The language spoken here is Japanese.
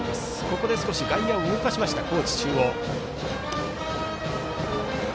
ここで少し外野を動かした高知中央。